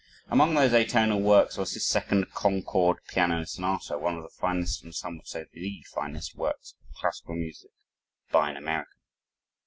Among those atonal works was his second, "Concord" piano sonata, one of the finest, and some would say the finest, works of classical music by an American.